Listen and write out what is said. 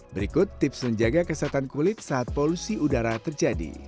berikut tips menjaga kesehatan kulit saat polusi udara terjadi